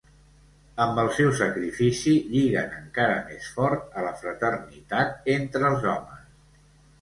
Amb el seu sacrifici lliguen encara més fort la fraternitat entre els homes.